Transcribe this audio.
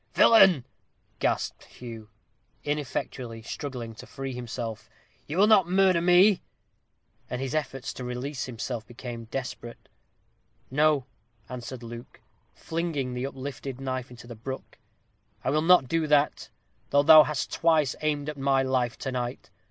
"Villain!" gasped Hugh, ineffectually struggling to free himself, "you will not murder me?" And his efforts to release himself became desperate. "No," answered Luke, flinging the uplifted knife into the brook. "I will not do that, though thou hast twice aimed at my life to night.